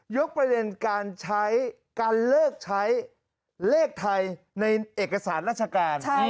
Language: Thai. ประเด็นการใช้การเลิกใช้เลขไทยในเอกสารราชการ